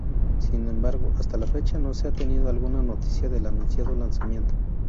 Sin embargo, hasta la fecha no se ha tenido alguna noticia del anunciado lanzamiento.